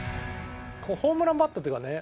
ホームランバッターっていうかね